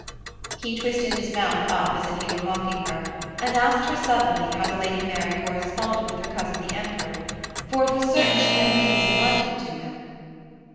He twisted his mouth up as if he were mocking her, and asked her suddenly how the Lady Mary corresponded with her cousin the Emperor, for it was certain she had a means of writing to him?